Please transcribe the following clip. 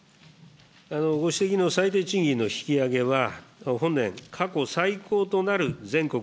ご指摘の最低賃金の引き上げは、本年、過去最高となる全国